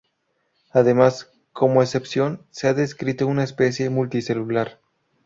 Además, como excepción se ha descrito una especie multicelular.